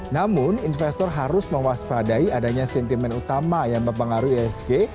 namun investor harus mewaspadai adanya sentimen utama yang mempengaruhi isg